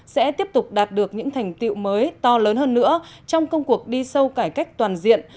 sẽ tiếp tục đạt được những thành tiệu mới to lớn hơn nữa trong công cuộc đi sâu cải cách toàn diện